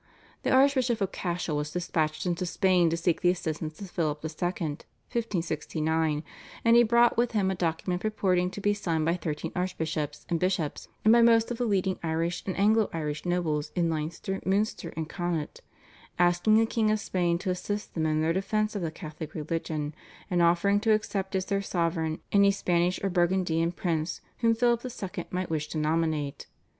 The Archbishop of Cashel was dispatched into Spain to seek the assistance of Philip II. (1569), and he brought with him a document purporting to be signed by thirteen archbishops and bishops, and by most of the leading Irish and Anglo Irish nobles in Leinster, Munster, and Connaught, asking the King of Spain to assist them in their defence of the Catholic religion, and offering to accept as their sovereign any Spanish or Burgundian prince whom Philip II. might wish to nominate.